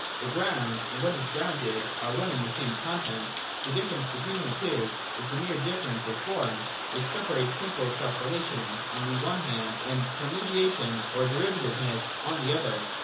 The ground and what is grounded are one and the same content : the difference between the two is the mere difference of form which separates simple self relation, on the one hand, from mediation or derivative ness on the other.